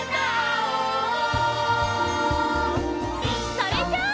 それじゃあ！